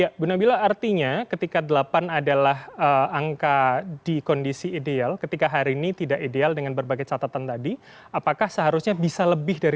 ya bu nabila artinya ketika delapan adalah angka di kondisi ideal ketika hari ini tidak ideal dengan berbagai catatan tadi apakah seharusnya bisa lebih dari